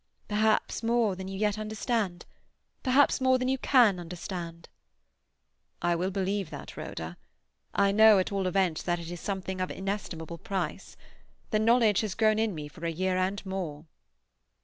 "Perhaps more than you yet understand. Perhaps more than you can understand." "I will believe that, Rhoda. I know, at all events, that it is something of inestimable price. The knowledge has grown in me for a year and more."